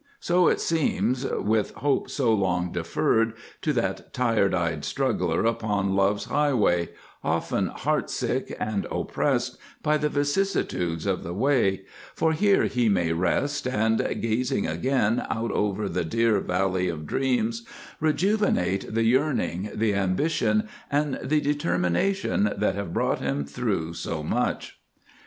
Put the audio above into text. So it seems, with Hope so long deferred, to that tired eyed struggler upon Love's Highway, often heartsick and oppressed by the vicissitudes of the way, for here he may rest and, gazing again out over the dear Valley of Dreams, rejuvenate the Yearning, the Ambition, and the Determination that have brought him through so much.